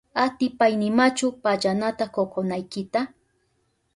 ¿Atipaynimachu pallanata kokonaykita?